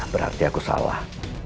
berarti aku salah